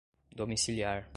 domiciliar